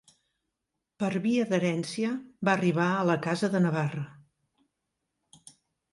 Per via d'herència va arribar a la casa de Navarra.